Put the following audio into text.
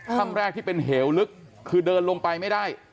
ถ้ำแรกที่เป็นเหวลึกคือเดินลงไปไม่ได้